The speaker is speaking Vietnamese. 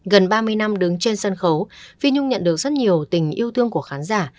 gần ba mươi năm đứng trên sân khấu phi nhung nhận được rất nhiều tình yêu thương của khán giả